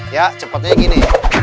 ya cepetnya gini